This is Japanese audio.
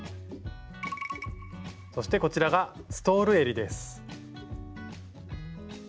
そしてこちらがストールえりです。